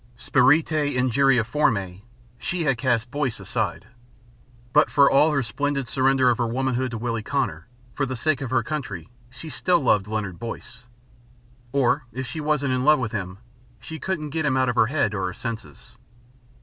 Spretae injuria formae she had cast Boyce aside. But for all her splendid surrender of her womanhood to Willie Connor, for the sake of her country, she still loved Leonard Boyce. Or, if she wasn't in love with him, she couldn't get him out of her head or her senses.